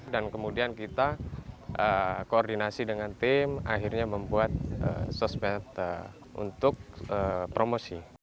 dan kemudian kita koordinasi dengan tim akhirnya membuat sosmed untuk promosi